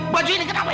baju ini kenapa